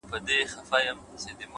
حقیقت ذهن ته ازادي ورکوي؛